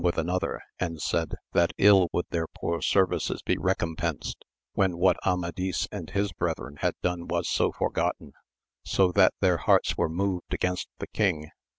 with another and said, that ill would their poor ser vices be recompensed when what Amadis and his brethren had done was so forgotten, so that their hearts were moved against the king.